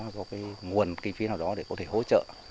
có cái nguồn kinh phí nào đó để có thể hỗ trợ